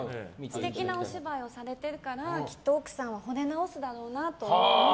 素敵なお芝居をされているからきっと奥さんはほれ直すだろうなと思って。